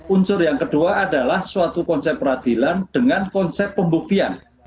unsur yang kedua adalah suatu konsep peradilan dengan konsep pembuktian